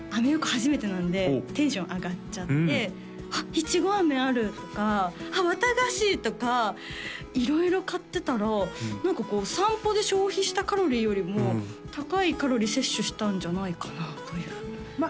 初めてなんでテンション上がっちゃって「あっいちごあめある」とか「わたがし！」とか色々買ってたら何かこう散歩で消費したカロリーよりも高いカロリー摂取したんじゃないかなというま